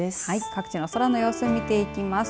各地の空の様子を見ていきます。